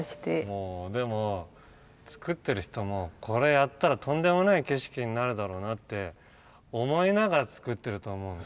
もうでも作ってる人もこれやったらとんでもない景色になるだろうなって思いながら作ってると思うんで。